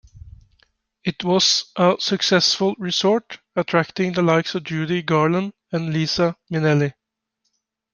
It was a successful resort, attracting the likes of Judy Garland and Liza Minnelli.